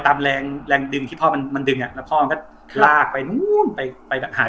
ตามแลงแรงดึงขี้พ่อมันมันดึงจากแฉกลากไปไปไปกับหาย